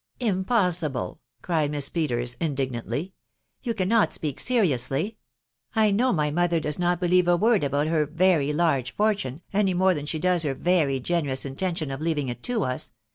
" Impossible !" cried Miss Peters, indignantly ;" you can not speak seriously. ... I know my mother does not believe a word about her very large fortune, any more than she does her very generous intention of leaving it to us.